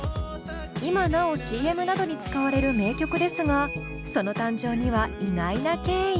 今なおＣＭなどに使われる名曲ですがその誕生には意外な経緯が。